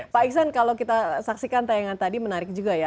pak iksan kalau kita saksikan tayangan tadi menarik juga ya